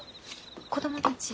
子供たち？